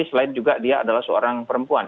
selain juga dia adalah seorang perempuan